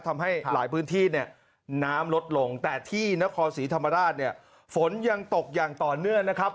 ทำให้หลายพื้นที่เนี่ยน้ำลดลงแต่ที่นครศรีธรรมราชเนี่ยฝนยังตกอย่างต่อเนื่องนะครับ